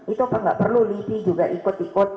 itu gak perlu lidi juga ikut